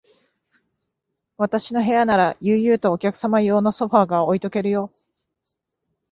私の部屋なら、悠々とお客用のソファーが置いとけるよ。